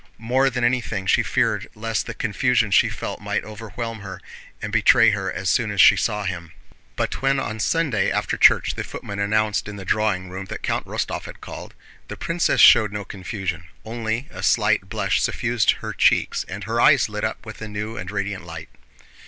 More than anything she feared lest the confusion she felt might overwhelm her and betray her as soon as she saw him. But when on Sunday after church the footman announced in the drawing room that Count Rostóv had called, the princess showed no confusion, only a slight blush suffused her cheeks and her eyes lit up with a new and radiant light.